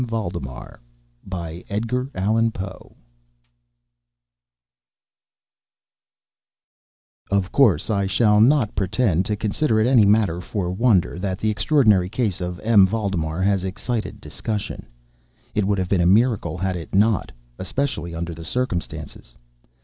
VALDEMAR Of course I shall not pretend to consider it any matter for wonder, that the extraordinary case of M. Valdemar has excited discussion. It would have been a miracle had it not—especially under the circumstances.